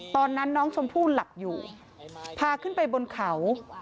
ตอนนั้นน้องชมพู่หลับอยู่พาขึ้นไปบนเขา